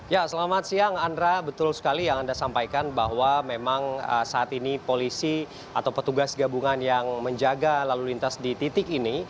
ya selamat siang andra betul sekali yang anda sampaikan bahwa memang saat ini polisi atau petugas gabungan yang menjaga lalu lintas di titik ini